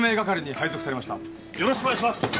よろしくお願いします！